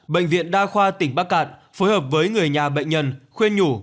bệnh viện đa khoa tỉnh bắc cạn phối hợp với người nhà bệnh nhân khuyên nhủ